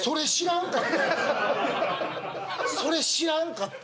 それ知らんかった。